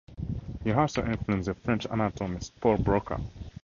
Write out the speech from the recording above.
He also influenced the French anatomist, Paul Broca.